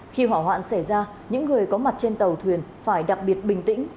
khi hỏa hoạn xảy ra những người có mặt trên tàu thuyền phải đặc biệt bình tĩnh